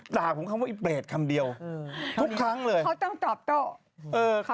ด่าผมคำว่าอีเบรดคำเดียวทุกครั้งเลยเขาต้องตอบโต้เออเขา